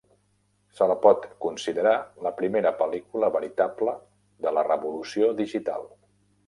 Se la pot considerar la primera pel·lícula veritable de la revolució digital.